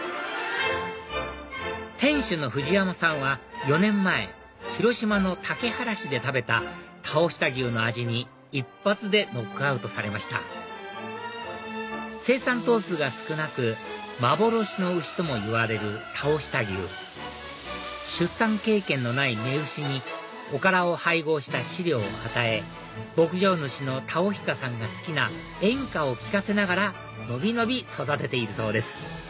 店主の藤山さんは４年前広島の竹原市で食べた峠下牛の味に一発でノックアウトされました生産頭数が少なく幻の牛ともいわれる峠下牛出産経験のない雌牛におからを配合した飼料を与え牧場主の峠下さんが好きな演歌を聴かせながら伸び伸び育てているそうです